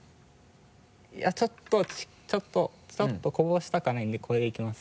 いやちょっとちょっとこぼしたくはないのでこれでいきます。